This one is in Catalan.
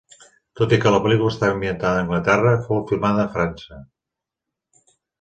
Tot i que la pel·lícula està ambientada a Anglaterra, fou filmada en França.